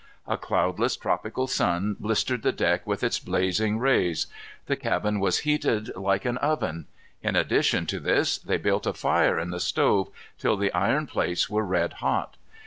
A cloudless tropical sun blistered the deck with its blazing rays. The cabin was heated like an oven. In addition to this, they built a fire in the stove, till the iron plates were red hot.